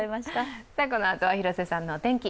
このあとは広瀬さんのお天気。